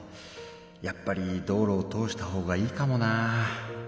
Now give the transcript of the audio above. やっぱり道路を通したほうがいいかもなぁ。